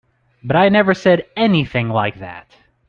But I never said anything like that.